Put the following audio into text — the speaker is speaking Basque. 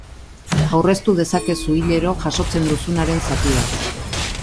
Aurreztu dezakezu hilero jasotzen duzubaren zati bat.